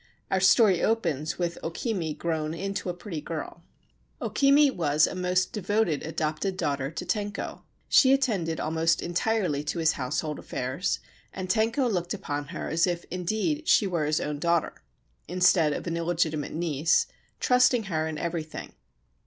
Our story opens with O Kimi grown into a pretty girl. O Kimi was a most devoted adopted daughter to Tenko. She attended almost entirely to his household affairs, and Tenko looked upon her as if indeed she were his own daughter, instead of an illegitimate niece, trusting her in everything.